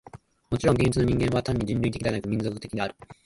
もちろん現実の人間は単に人類的でなく、民族的である。